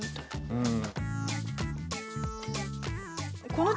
うん。